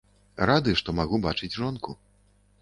Рады, што магу бачыць жонку.